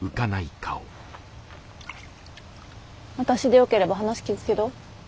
私でよければ話聞くけど。